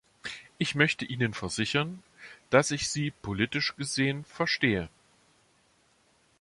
Ich möchte Ihnen versichern, dass ich Sie politisch gesehen verstehe.